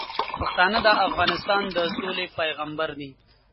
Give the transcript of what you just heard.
پښتانه د افغانستان د سولې پیغامبر دي.